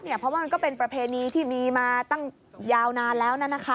เพราะว่ามันก็เป็นประเพณีที่มีมาตั้งยาวนานแล้ว